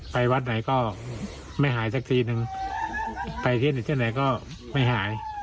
ไปวัดไหนก็ไม่หายสักทีนึงไปที่ไหนที่ไหนก็ไม่หาย